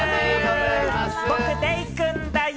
僕、デイくんだよ。